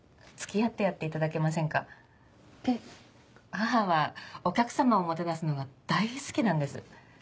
母はお客さまをもてなすのが大好きなんです。